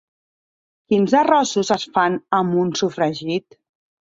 Quins arrossos es fan amb un sofregit?